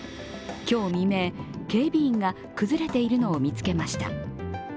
今日未明、警備員が崩れているのを見つけました。